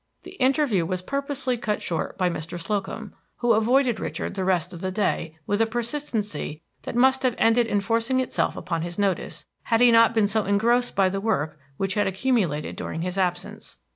The interview was purposely cut short by Mr. Slocum, who avoided Richard the rest of the day with a persistency that must have ended in forcing itself upon his notice, had he not been so engrossed by the work which had accumulated during his absence.